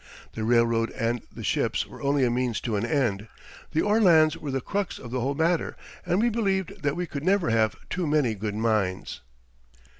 The railroad and the ships were only a means to an end. The ore lands were the crux of the whole matter, and we believed that we could never have too many good mines.